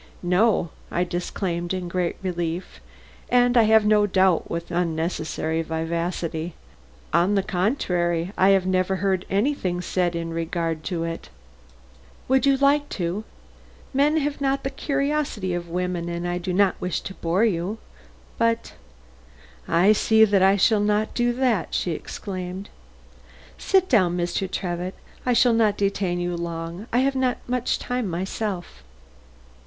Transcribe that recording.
"No," I disclaimed in great relief, and I have no doubt with unnecessary vivacity. "On the contrary, I have never heard anything said in regard to it." "Would you like to? Men have not the curiosity of women, and I do not wish to bore you, but I see that I shall not do that," she exclaimed. "Sit down, Mr. Trevitt; I shall not detain you long; I have not much time myself."